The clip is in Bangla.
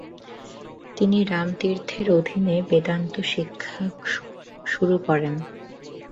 তিনি রামতীর্থের অধীনে বেদান্ত শিক্ষা শুরু করেন।